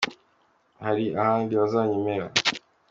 Hari ahandi bazanyemera.